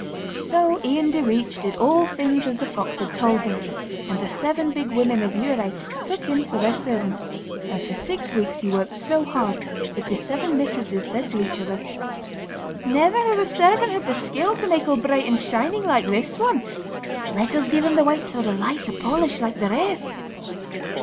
So Ian Direach did all things as the fox had told him, and the Seven Big Women of Dhiurradh took him for their servant, and for six weeks he worked so hard that his seven mistresses said to each other: 'Never has a servant had the skill to make all bright and shining like this one. Let us give him the White Sword of Light to polish like the rest.